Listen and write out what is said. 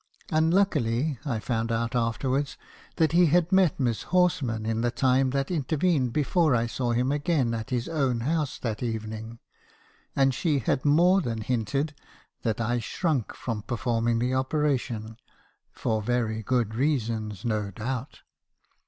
Unluckily, I found out afterwards that he had met Miss Horsman in the time that intervened before I saw him again at his own house that evening; and she had more than hinted that I shrunk from performing the operation, 'for very good reasons, no doubt.